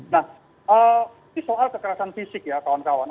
nah ini soal kekerasan fisik ya kawan kawan